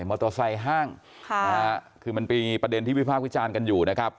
มอเตอร์ไซค์ห้างค่ะนะฮะคือมันมีประเด็นที่วิพากษ์วิจารณ์กันอยู่นะครับ